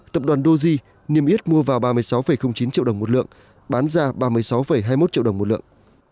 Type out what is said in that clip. tập đoàn doge niêm yết mua vào ba mươi sáu chín triệu đồng một lượng bán ra ba mươi sáu hai mươi một triệu đồng một lượng